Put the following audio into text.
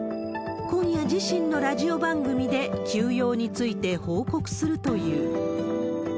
今夜、自身のラジオ番組で、休養について報告するという。